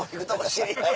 知り合い